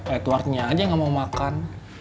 edwardnya aja yang gak mau makan